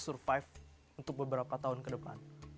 survive untuk beberapa tahun ke depan